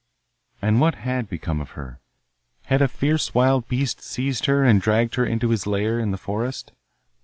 And what had become of her? Had a fierce wild beast seized her and dragged her into his lair in the forest?